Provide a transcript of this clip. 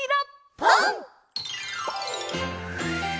「ぽん」！